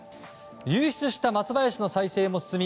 流出した松林の再生も進み